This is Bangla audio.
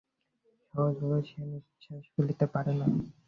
সহজভাবে সে নিশ্বাস ফেলিতে পারে না।